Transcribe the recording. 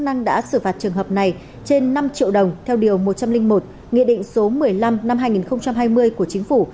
chức năng đã xử phạt trường hợp này trên năm triệu đồng theo điều một trăm linh một nghị định số một mươi năm năm hai nghìn hai mươi của chính phủ